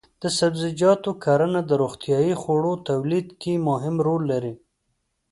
د سبزیجاتو کرنه د روغتیايي خوړو تولید کې مهم رول لري.